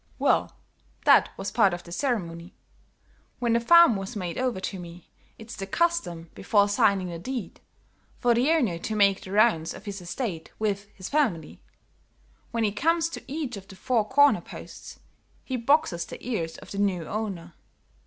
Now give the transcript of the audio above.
"Well, that was part of the ceremony. When the farm was made over to me, it's the custom, before signing the deed, for the owner to make the rounds of his estate with his family; when he comes to each of the four corner posts, he boxes the ears of the new owner.